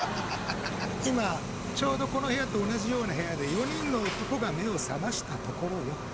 今ちょうどこの部屋と同じような部屋で４人の男が目を覚ましたところよ